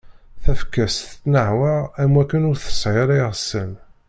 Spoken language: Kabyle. Tafekka-s tettnaɛwaɣ am wakken ur tesɛi ara iɣsan.